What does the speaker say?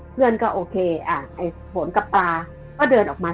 เพื่อนก็โอเคไอ้ฝนกับปลาก็เดินออกมา